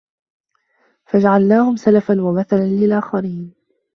فَجَعَلناهُم سَلَفًا وَمَثَلًا لِلآخِرينَ